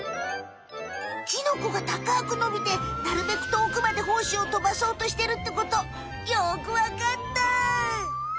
キノコがたかくのびてなるべくとおくまでほうしをとばそうとしてるってことよくわかった！